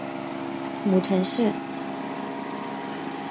母程氏。